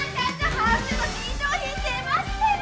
ハオツーの新商品出ましたよ！